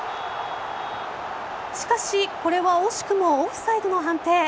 しかしこれは惜しくもオフサイドの判定。